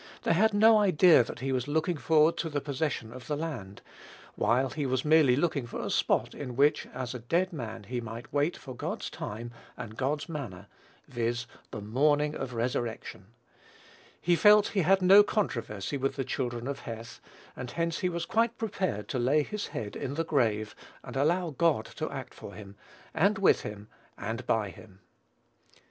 They had no idea that he was looking forward to the possession of the land, while he was merely looking for a spot in which, as a dead man, he might wait for God's time, and God's manner, viz., the MORNING OF RESURRECTION. He felt he had no controversy with the children of Heth, and hence he was quite prepared to lay his head in the grave, and allow God to act for him, and with him, and by him.